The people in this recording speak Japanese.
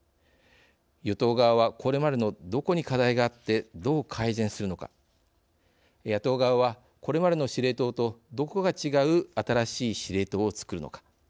与党側はこれまでのどこに課題があってどう改善するのか野党側はこれまでの司令塔とどこが違う新しい司令塔をつくるのか。